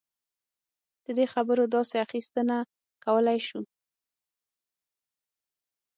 له دې خبرو داسې اخیستنه کولای شو.